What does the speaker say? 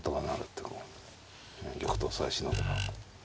玉頭さえしのげば。